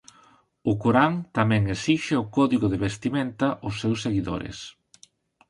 O Corán tamén esixe un código de vestimenta aos seus seguidores.